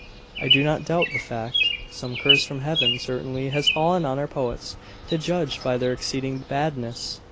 'I do not doubt the fact. Some curse from Heaven, certainly, has fallen on our poets, to judge by their exceeding badness.